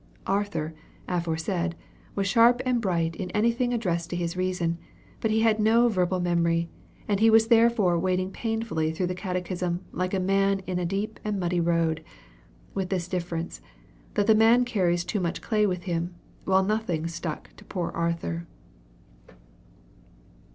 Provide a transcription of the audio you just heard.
Arthur, aforesaid, was sharp and bright in anything addressed to his reason, but he had no verbal memory, and he was therefore wading painfully through the catechism like a man in a deep muddy road; with this difference, that the man carries too much clay with him, while nothing stuck to poor Arthur.